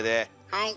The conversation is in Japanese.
はい。